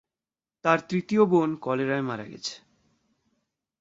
তার তৃতীয় বোন কলেরায় মারা গেছে।